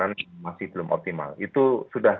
yang masih belum optimal itu sudah